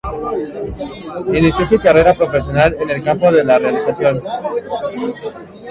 Inició su carrera profesional en el campo de la realización.